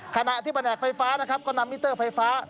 ขณะที่แผนกไฟฟ้านะครับก็นำมิเตอร์ไฟฟ้า